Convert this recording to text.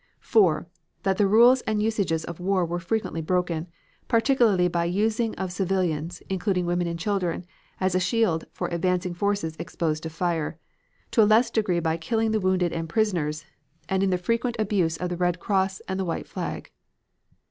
4. That the rules and usages of war were frequently broken, particularly by the using of civilians, including women and children, as a shield for advancing forces exposed to fire, to a less degree by killing the wounded and prisoners and in the frequent abuse of the Red Cross and the white flag.